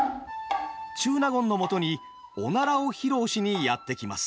中納言のもとにおならを披露しにやって来ます。